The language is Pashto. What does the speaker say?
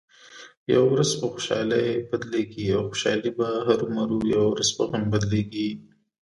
یوه ورځ په خوشحالۍ بدلېږي او خوشحالي به هرومرو یوه ورځ په غم بدلېږې.